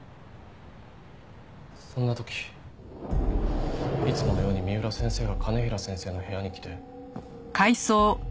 そんな時いつものように三浦先生が兼平先生の部屋に来て。